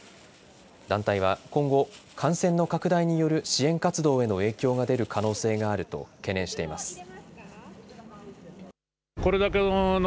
団体は今後感染の拡大による支援活動への影響が出る可能性があると懸念しています。